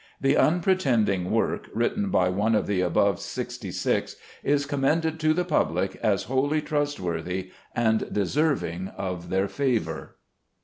The unpretending work, written by one of the above sixty six, is commended to the public as wholly trustworthy, and deserving of their favor.